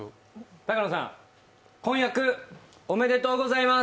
高野さん、婚約おめでとうございます。